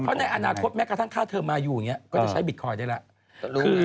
เพราะในอนาคตแม้กระทั่งค่าเธอมายูอย่างนี้ก็จะใช้บิตคอยน์ได้แล้ว